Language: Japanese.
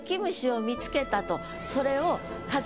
それを。